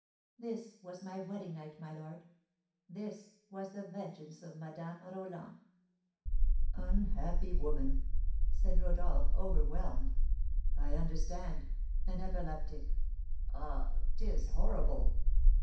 This was my wedding night, my lord, this was the vengeance of Madame Roland!" "Unhappy woman!" said Rodolph, overwhelmed. "I understand, an epileptic. Ah, 'tis horrible!"